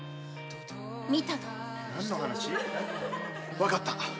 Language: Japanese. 分かった。